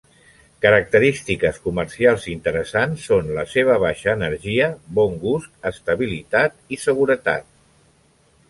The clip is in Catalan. Característiques comercials interessants són la seva baixa energia, bon gust, estabilitat i seguretat.